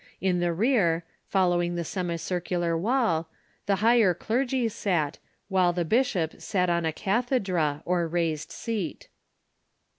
In the rear, following the semicircular wall, the higher clergy sat, while the bishop sat on a cathedra, or raised seat.